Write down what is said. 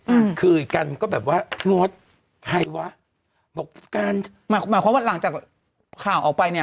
อืมคือกันก็แบบว่างดใครวะบอกการหมายความว่าหลังจากข่าวออกไปเนี้ย